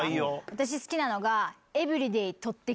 私好きなのが。